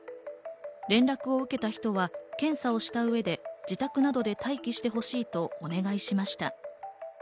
連絡を受けた人は検査をした上で自宅などで待機してほしいとお願いしました。